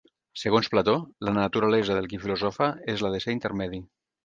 Segons Plató, la naturalesa del qui filosofa és la de ser intermedi.